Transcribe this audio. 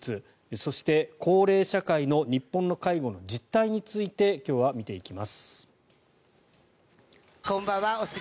そして、高齢社会の日本の介護の実態について今日は見ていきます。